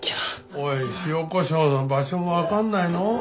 おい塩コショウの場所もわかんないの？